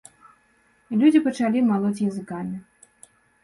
Людзі пачалі малоць языкамі.